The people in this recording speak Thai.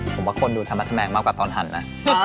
ผมว่าคนดูธรรมแมงมากกว่าตอนหันนะ